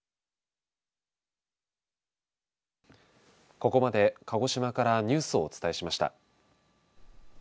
ここまで鹿児島からニュースをお伝えしました。